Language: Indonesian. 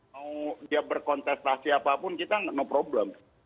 mau dia berkontestasi apapun kita enggak ada masalah